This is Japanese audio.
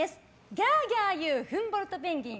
ギャーギャー言うフンボルトペンギン。